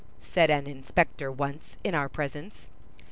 said an inspector once, in our presence.